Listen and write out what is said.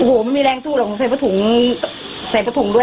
โอ้โหไม่มีแรงสู้หรอกใส่ผ้าถุงใส่ผ้าถุงด้วย